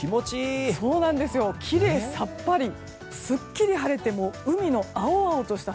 きれいさっぱりすっきり晴れてもう海の青々とした